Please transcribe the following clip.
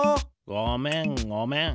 ごめんごめん。